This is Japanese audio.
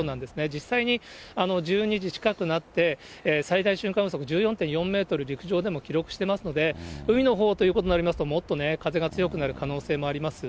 実際に１２時近くなって、最大瞬間風速１４．４メートル、陸上でも記録していますので、海のほうということになりますと、もっとね、風が強くなる可能性もあります。